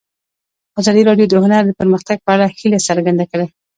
ازادي راډیو د هنر د پرمختګ په اړه هیله څرګنده کړې.